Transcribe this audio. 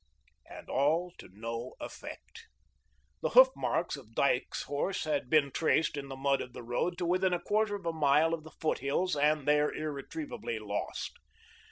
And all to no effect. The hoof marks of Dyke's horse had been traced in the mud of the road to within a quarter of a mile of the foot hills and there irretrievably lost.